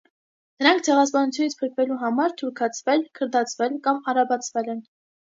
Նրանք ցեղասպանությունից փրկվելու համար թուրքացվել, քրդացվել կամ արաբացվել են։